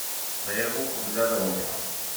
Bɣiɣ uqbel ad ruḥeɣ.